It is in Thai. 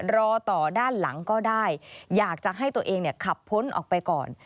รอต่อด้านหลังก็ได้อยากจะให้ตัวเองขับพ้นออกไปก่อน